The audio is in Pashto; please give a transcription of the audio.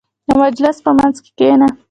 • د مجلس په منځ کې کښېنه.